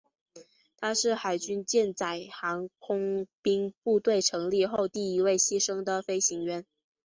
他是海军舰载航空兵部队成立后第一位牺牲的飞行员。